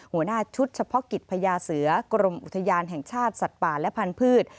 หัวหน้าชุดเฉพาะกิจพญาเสือกรมอุทยานแห่งชาติสัตว์ป่าและพันธุ์